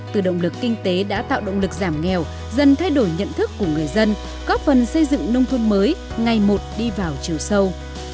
từ động lực kinh tế đã tạo động lực giảm nghèo dần thay đổi nhận thức của người dân góp phần xây dựng nông thôn mới ngày một đi vào chiều sâu